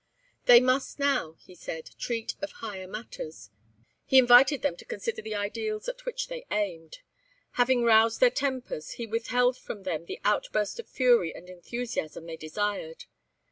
They must now, he said, treat of higher matters. He invited them to consider the ideals at which they aimed. Having roused their tempers, he withheld from them the outburst of fury and enthusiasm they desired.